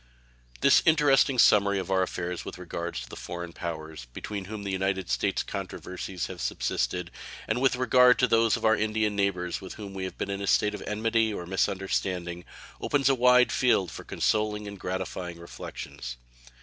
This interesting summary of our affairs with regard to the foreign powers between whom and the United States controversies have subsisted, and with regard also to those of our Indian neighbors with whom we have been in a state of enmity or misunderstanding, opens a wide field for consoling and gratifying reflections.